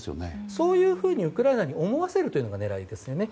そういうふうにウクライナに思わせるのが狙いですよね。